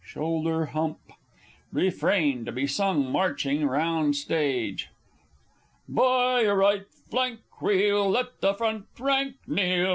Shoulder Hump! Refrain (to be sung marching round Stage). By your right flank, Wheel! Let the front rank kneel!